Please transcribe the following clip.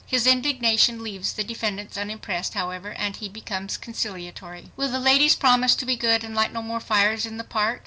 His indignation leaves the defendants unimpressed, however, and he becomes conciliatory. Will the "ladies promise to be good and light no more fires in the park?"